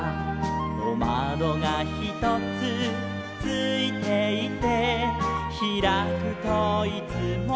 「おまどがひとつついていて」「ひらくといつも」